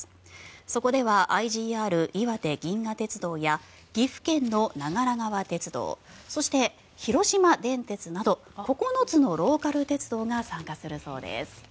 そこではＩＧＲいわて銀河鉄道や岐阜県の長良川鉄道そして広島電鉄など９つのローカル鉄道が参加するそうです。